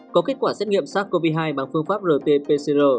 có kết quả xét nghiệm sars cov hai bằng phương pháp rt pcr